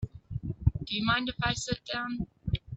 Do you mind if I sit down?